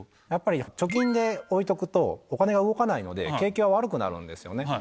やっぱり貯金で置いとくと、お金が動かないので、景気が悪くなるんですよね。